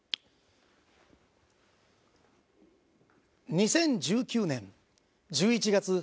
２０１９年１１月。